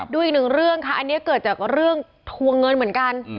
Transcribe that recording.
ดูอีกหนึ่งเรื่องค่ะอันนี้เกิดจากเรื่องทวงเงินเหมือนกัน